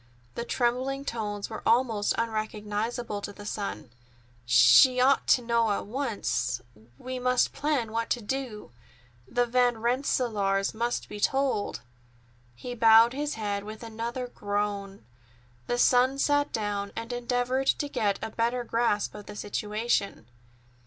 The trembling tones were almost unrecognizable to the son. "She ought to know at once. We must plan what to do. The Van Rensselaers must be told." He bowed his head with another groan. The son sat down and endeavored to get a better grasp of the situation.